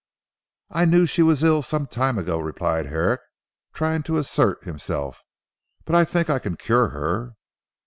"I knew she was ill some time ago," replied Herrick trying to assert himself, "but I think I can cure her."